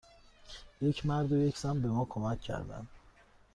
یک مرد و یک زن به ما کمک کردند.